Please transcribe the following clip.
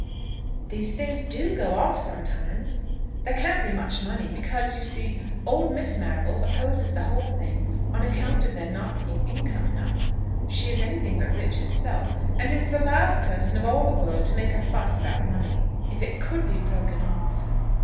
"These things do go off sometimes. There can't be much money, because, you see, old Miss Marrable opposes the whole thing on account of there not being income enough. She is anything but rich herself, and is the last person of all the world to make a fuss about money. If it could be broken off